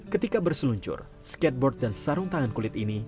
ketika berseluncur skateboard dan sarung tangan kulit ini